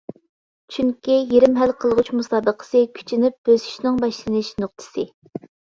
چۈنكى، يېرىم ھەل قىلغۇچ مۇسابىقىسى كۈچىنىپ بۆسۈشنىڭ باشلىنىش نۇقتىسى.